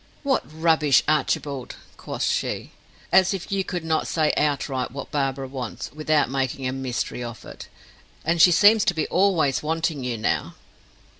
"What rubbish Archibald!" quoth she. "As if you could not say outright what Barbara wants, without making a mystery of it. And she seems to be always wanting you now."